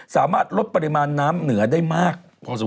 สามารถลดปริมาณน้ำเหนือได้มากพอสม